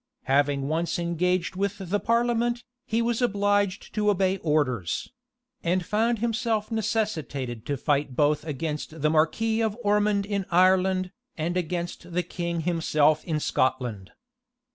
Having once engaged with the parliament, he was obliged to obey orders; and found himself necessitated to fight both against the marquis of Ormond in Ireland, and against the king himself in Scotland.